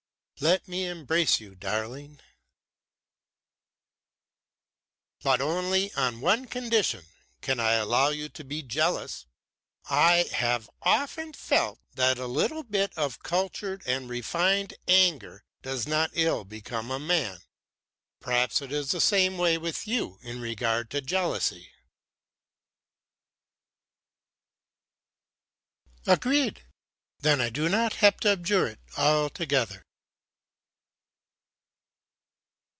"Let me embrace you, darling." "But only on one condition can I allow you to be jealous. I have often felt that a little bit of cultured and refined anger does not ill become a man. Perhaps it is the same way with you in regard to jealousy." "Agreed! Then I do not have to abjure it altogether."